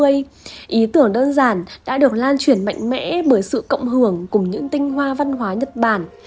và ý tưởng đơn giản đã được lan truyền mạnh mẽ bởi sự cộng hưởng cùng những tinh hoa văn hóa nhật bản